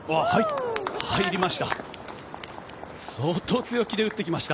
入りました。